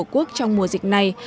và tổ quốc trong mùa dịch này